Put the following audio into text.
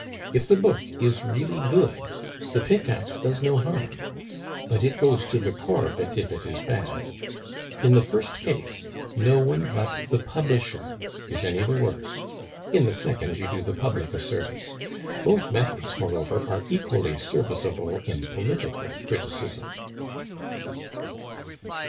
If the book is really good, the pickaxe does no harm; but it goes to the core of it if it is bad. In the first case, no one but the publisher is any the worse; in the second, you do the public a service. Both methods, moreover, are equally serviceable in political criticism."